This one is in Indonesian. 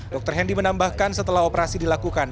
dr hendy menambahkan setelah operasi dilakukan